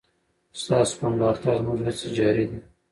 ستاسو په ملاتړ زموږ هڅې جاري دي.